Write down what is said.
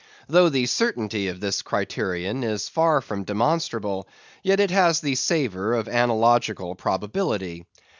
Though the certainty of this criterion is far from demonstrable, yet it has the savor of analogical probability.